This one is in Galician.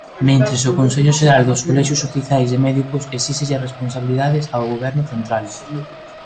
Mentres, o Consello Xeral dos Colexios Oficiais de Médicos esíxelle responsabilidades ao Goberno central.